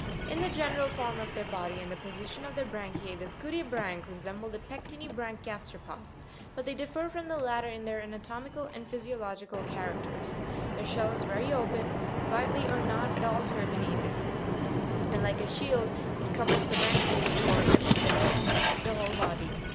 28. In the general form of their body and the position of their branchie, the scutibranch resemble the pectinibranch gasteropods ; but they differ from the latter in their anatomical and physiological characters. Their shell is very open, slightly or not at all turbinated, and, like a shield, it covers the branchize or even the whole body.